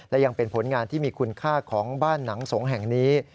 และยังเป็นผลงานที่มีคุณค่าของบ้านหนังสงฆ์แห่งนี้